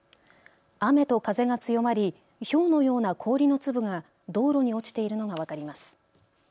雨と風が強まり、ひょうのような氷の粒が道路に落ちているのが分かります。